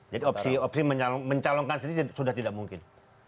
jadi opsi mencalonkan sendiri sudah tidak mungkin